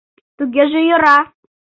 — Тугеже йӧра!